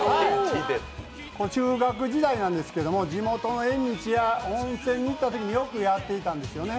中学時代なんですけど地元の縁日や温泉に行ったときによくやっていたんですよね。